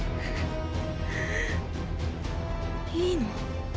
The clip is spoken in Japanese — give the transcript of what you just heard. いいの？